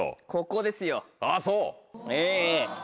ここですよ。